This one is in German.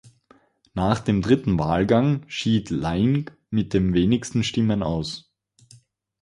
Nach dem dritten Wahlgang schied Laing mit den wenigsten Stimmen aus.